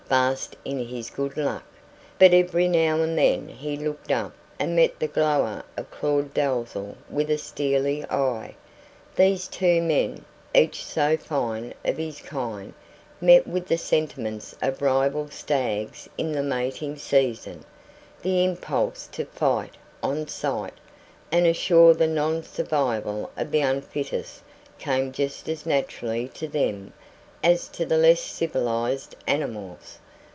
basked in his good luck. But every now and then he looked up and met the glower of Claud Dalzell with a steely eye. These two men, each so fine of his kind, met with the sentiments of rival stags in the mating season; the impulse to fight 'on sight' and assure the non survival of the unfittest came just as naturally to them as to the less civilised animals.